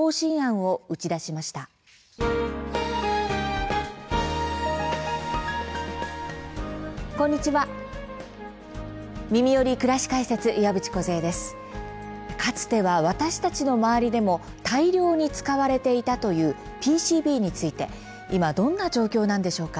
かつては私たちの周りでも大量に使われていたというＰＣＢについて今どんな状況なのでしょうか。